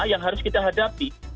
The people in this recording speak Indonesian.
yang harus kita hadapi